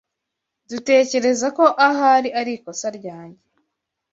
Dutekereza ko ahari arikosa ryanjye.